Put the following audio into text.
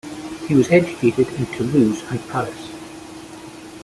He was educated in Toulouse and Paris.